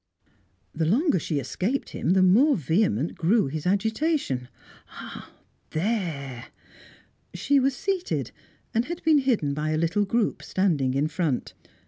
The longer she escaped him, the more vehement grew his agitation. Ah, there! She was seated, and had been hidden by a little group standing in front.